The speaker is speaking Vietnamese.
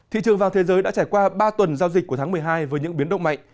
thị trường vàng thế giới đã trải qua ba tuần giao dịch của tháng một mươi hai với những biến động mạnh